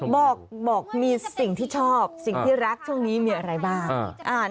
บอกมีสิ่งที่ชอบสิ่งที่รักช่วงนี้มีอะไรบ้าง